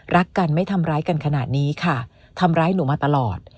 รักกันไม่ทำร้ายกันขนาดนี้ค่ะทำร้ายหนูมาตลอด